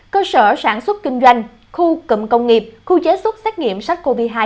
cơ sở sản xuất kinh doanh khu cầm công nghiệp khu chế xuất xét nghiệm sách covid một mươi chín